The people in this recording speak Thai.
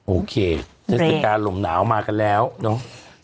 โอเคเทศกาลลมหนาวมากันแล้วเนาะ